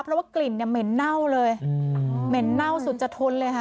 เพราะว่ากลิ่นเนี่ยเหม็นเน่าเลยเหม็นเน่าสุดจะทนเลยค่ะ